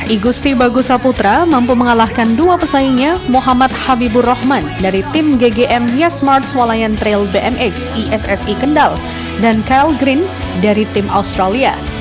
igu siti bagusa putra mampu mengalahkan dua pesaingnya muhammad habibur rahman dari tim ggm yes march walayan trail bmx isfi kendal dan kyle green dari tim australia